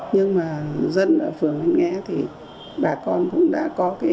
nhưng mà dân ở phường anh nghé thì bà con cũng đã có